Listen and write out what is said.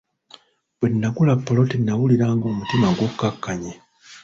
Bwe nagula ppoloti nawulira nga omutima gukkakkanye.